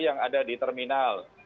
yang ada di terminal